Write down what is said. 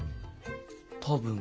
多分。